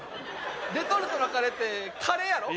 レトルトのカレーってカレーやろ？